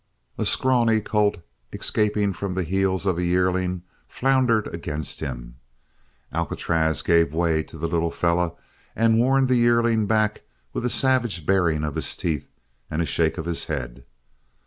A scrawny colt, escaping from the heels of a yearling floundered against him. Alcatraz gave way to the little fellow and warned the yearling back with a savage baring of his teeth and a shake of his head.